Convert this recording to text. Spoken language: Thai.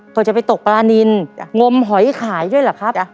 ก็จะไปตกปลานินงมหอยขายด้วยเหรอครับ